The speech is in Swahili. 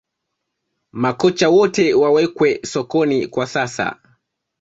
Makocha wote wawekwe sokoni kwa sasa